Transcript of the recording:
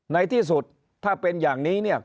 ในที่สุดถ้าเป็นอย่างนี้เนี่ย